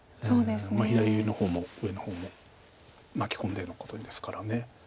左上の方も上の方も巻き込んでのことですから。